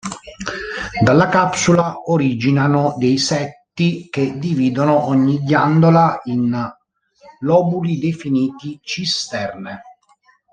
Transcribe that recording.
Dalla capsula originano dei setti che dividono ogni ghiandola in lobuli definiti cisterne.